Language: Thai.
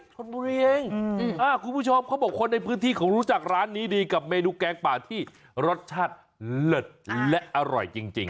ชนบุรีเองคุณผู้ชมเขาบอกคนในพื้นที่เขารู้จักร้านนี้ดีกับเมนูแกงป่าที่รสชาติเลิศและอร่อยจริง